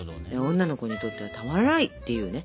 女の子にとってはたまらないっていうね。